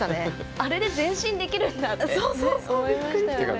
あれで前進できるんだって思いましたよね。